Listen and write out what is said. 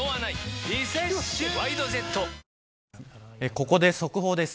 ここで速報です。